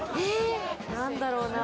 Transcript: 何だろうな。